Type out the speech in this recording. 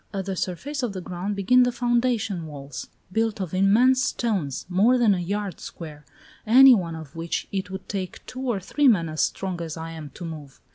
At the surface of the ground begin the foundation walls, built of immense stones, more than a yard square, any one of which it would take two or three men as strong as I am to move.